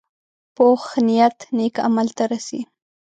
پوخ نیت نیک عمل ته رسي